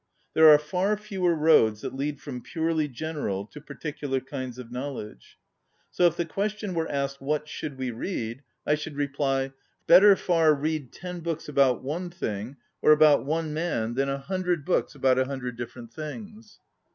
There are far fewer roads that lead from purely general to particular kinds of knowl edge. So if the question were asked, What should we read? I 82 ON READING should reply, Better far read ten books about one thing or about one man than a hundred books about a himdred different things!